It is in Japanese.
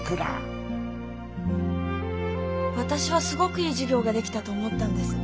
私はすごくいい授業ができたと思ったんです。